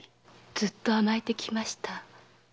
ずっと甘えてきました。